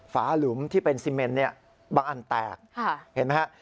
หลุมที่เป็นซีเมนเนี่ยบางอันแตกเห็นไหมฮะ